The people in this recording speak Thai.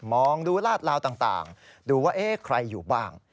มองดูลาดลาวต่างดูว่าใครอยู่บ้าง